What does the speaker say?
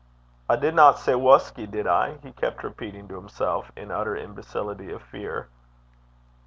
'I didna say whusky, did I?' he kept repeating to himself, in utter imbecility of fear.